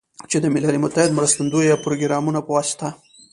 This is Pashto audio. چې د ملل متحد مرستندویه پروګرامونو په واسطه